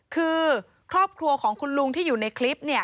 คือครอบครัวของคุณลุงที่อยู่ในคลิปเนี่ย